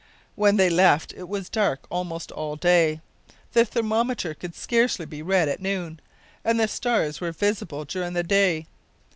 When they left it was dark almost all day. The thermometer could scarcely be read at noon, and the stars were visible during the day.